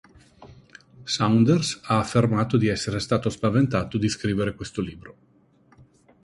Saunders ha affermato di "essere stato spaventato di scrivere questo libro".